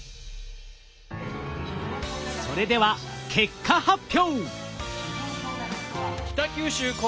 それでは結果発表！